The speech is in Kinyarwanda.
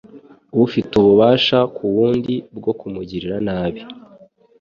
ufite ububasha ku wundi bwo kumugirira nabi